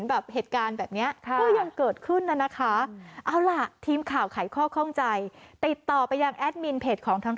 จะอิ่มอะไรขนาดนั้น